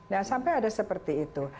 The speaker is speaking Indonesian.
nah sampai ada seperti itu